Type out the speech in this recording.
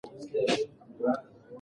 غاړې تر غاړې د اوبو د ډکوالي اندازه ښیي.